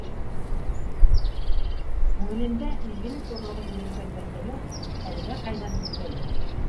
Күңелендә изгелек орлоғо йөрөткән бәндәләр әллә ҡайҙан билдәле...